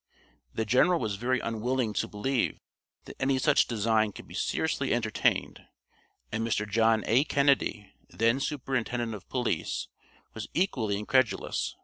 The general was very unwilling to believe that any such design could be seriously entertained, and Mr. John A. Kennedy, then superintendent of police, was equally incredulous.